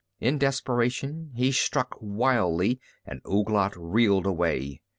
In desperation he struck blindly, and Ouglat reeled away.